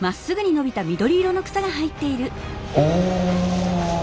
お。